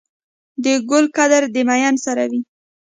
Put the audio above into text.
د ګل قدر د ميئن سره وي.